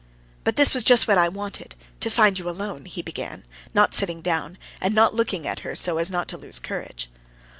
"But this was just what I wanted, to find you alone," he began, not sitting down, and not looking at her, so as not to lose courage.